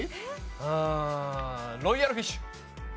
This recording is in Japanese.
うーんロイヤルフィッシュ。